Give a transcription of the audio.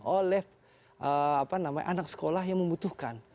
oleh anak sekolah yang membutuhkan